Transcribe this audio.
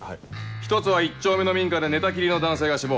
１つは１丁目の民家で寝たきりの男性が死亡。